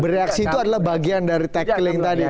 bereaksi itu adalah bagian dari tackling tadi itu ya